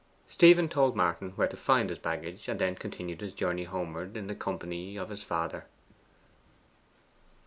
Stephen told Martin where to find his baggage, and then continued his journey homeward in the company of his father.